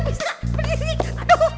berantakan sih ya sama